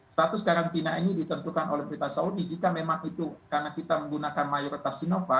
status karantina ini ditentukan oleh perintah saudi jika memang itu karena kita menggunakan mayoritas sinovac